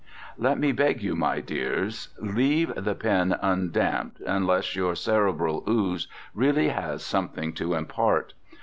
Let me beg you, my dears, leave the pen undamped unless your cerebral ooze really has something to impart.